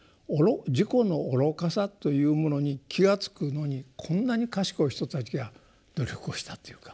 自己の愚かさというものに気が付くのにこんなに賢い人たちが努力をしたっていうか。